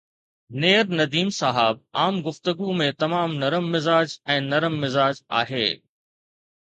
نيئر نديم صاحب عام گفتگو ۾ تمام نرم مزاج ۽ نرم مزاج آهي